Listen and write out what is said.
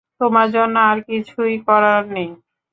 তোমার জন্য আর কিছুই করার নেই।